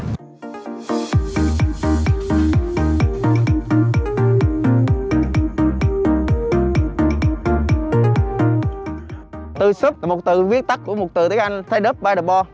từ súp là một từ viết tắt của một từ tiếng anh thay đớt by the ball